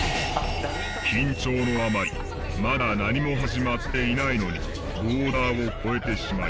緊張のあまりまだ何も始まっていないのにボーダーを超えてしまい